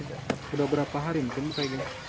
sudah berapa hari mungkin